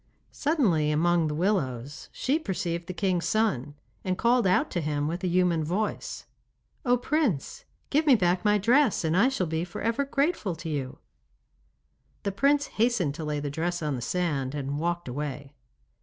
Suddenly, among the willows, she perceived the king's son, and called out to him with a human voice: 'Oh Prince, give me back my dress, and I shall be for ever grateful to you.' The prince hastened to lay the dress on the sand, and walked away.